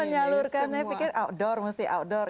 menyalurkan ya pikir outdoor musti outdoor